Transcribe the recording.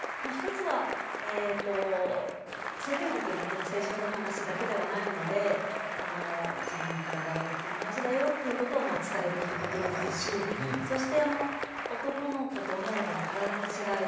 １つは性教育ってほんとに生殖の話だけではないので自分の体はとっても大事だよっていうことをまあ伝えるってことですしそして男の子と女の子の体の違い